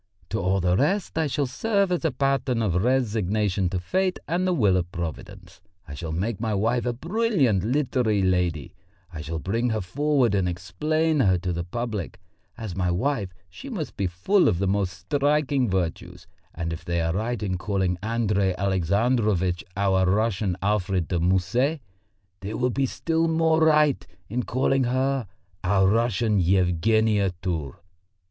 To all the rest I shall serve as a pattern of resignation to fate and the will of Providence. I shall make my wife a brilliant literary lady; I shall bring her forward and explain her to the public; as my wife she must be full of the most striking virtues; and if they are right in calling Andrey Alexandrovitch our Russian Alfred de Musset, they will be still more right in calling her our Russian Yevgenia Tour."